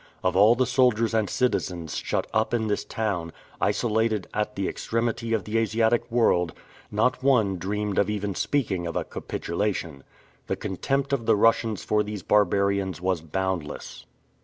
Of all the soldiers and citizens shut up in this town, isolated at the extremity of the Asiatic world, not one dreamed of even speaking of a capitulation. The contempt of the Russians for these barbarians was boundless.